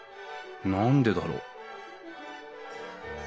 何でだろう？